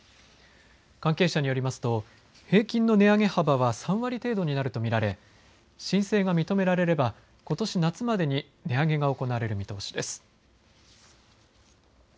関係者によりますと平均の値上げ幅は３割程度になると見られ申請が認められればことし夏までに値上げが行われる見通しです。